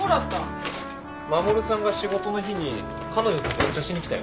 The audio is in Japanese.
衛さんが仕事の日に彼女さんとお茶しに来たよ。